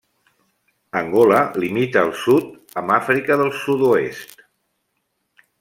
Angola limita al sud amb Àfrica del Sud-oest.